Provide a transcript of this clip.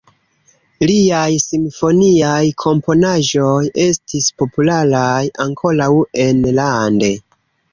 Liaj simfoniaj komponaĵoj estis popularaj ankaŭ enlande.